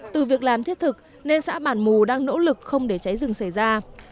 từ việc làm thiết thực nên xã bản mù đang nỗ lực không để cháy rừng xảy ra